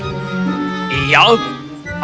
kau serius makhluk pendek